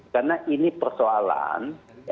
karena ini persoalan